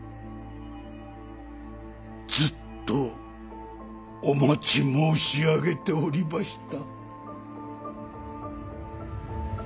ずっとお待ち申し上げておりました。